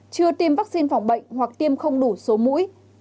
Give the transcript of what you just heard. chưa tiêm vắc xin phòng bệnh hoặc tiêm không đủ số mũi